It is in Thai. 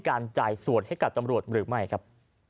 จ่ายส่วนให้กับตำรวจหรือไม่ครับ